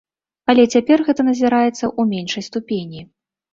Але цяпер гэта назіраецца ў меншай ступені.